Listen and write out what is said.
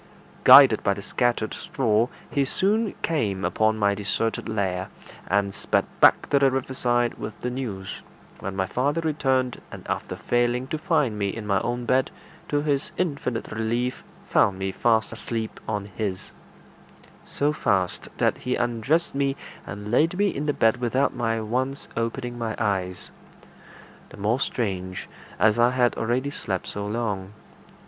Guided by the scattered straw, he soon came upon my deserted lair, and sped back to the riverside with the news, when my father returned, and after failing to find me in my own bed, to his infinite relief found me fast asleep on his; so fast, that he undressed me and laid me in the bed without my once opening my eyes the more strange, as I had already slept so long.